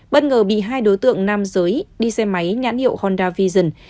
bất ngờ bị hai đối tượng nam giới đi xe máy nhãn hiệu honda vision